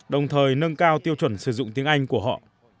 đồng thời nâng cao tiêu chuẩn sử dụng tiếng anh của họ